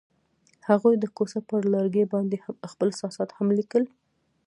هغوی د کوڅه پر لرګي باندې خپل احساسات هم لیکل.